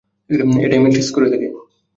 এটাই ম্যাট্রিক্স করে থাকে।